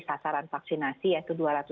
sasaran vaksinasi yaitu